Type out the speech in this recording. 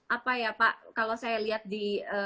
apa ya pak kalau saya lihat di